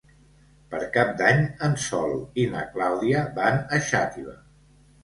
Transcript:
Per Cap d'Any en Sol i na Clàudia van a Xàtiva.